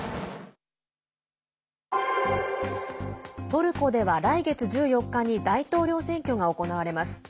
トルコでは来月１４日に大統領選挙が行われます。